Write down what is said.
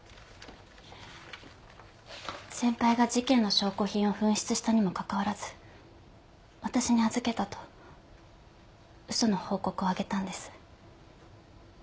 先輩が事件の証拠品を紛失したにもかかわらず私に預けたと嘘の報告をあげたんです。